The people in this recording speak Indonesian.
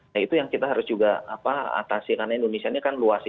nah itu yang kita harus juga atasi karena indonesia ini kan luas